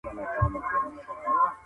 آزاد اقتصاد د سیالۍ زمینه برابروي.